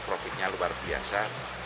profitnya luar biasa